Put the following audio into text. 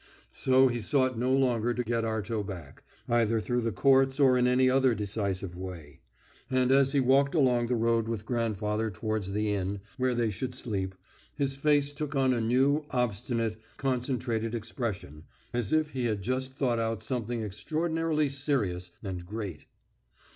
So he sought no longer to get Arto back, either through the courts or in any other decisive way. And as he walked along the road with grandfather towards the inn, where they should sleep, his face took on a new, obstinate, concentrated expression, as if he had just thought out something extraordinarily serious and great.